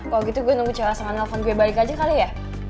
kalo gitu gue nunggu cewek asongan nge phone gue balik aja kali ya